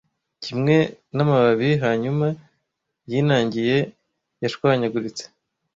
Kimwe namababi yanyuma yinangiye yashwanyaguritse